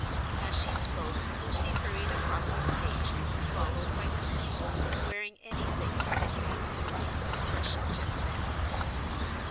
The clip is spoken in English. As she spoke, Lucy hurried across the stage, followed by Christie, wearing any thing but an Amazonian expression just then.